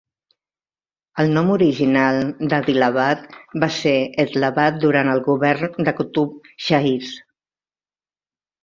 El nom original d'Adilabad va ser Edlabad durant el govern de Qutub Shahis.